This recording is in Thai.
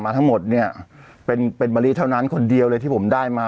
ทั้งหมดเนี่ยเป็นเป็นมะลิเท่านั้นคนเดียวเลยที่ผมได้มา